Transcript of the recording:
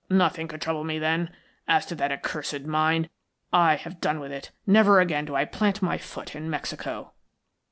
Nothing could trouble me then. As to that accursed mine, I have done with it. Never again do I plant my foot in Mexico."